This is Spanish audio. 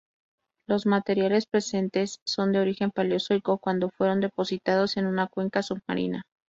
Los materiales presentes son de origen paleozoico, cuando fueron depositados en una cuenca submarina.